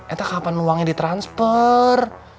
entah kapan uangnya ditransfer